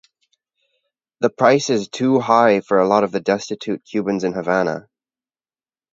This price is too high for a lot of the destitute Cubans in Havana.